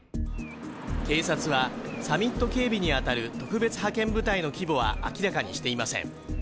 警察は、サミット警備に当たる特別派遣部隊の規模は明らかにしていません。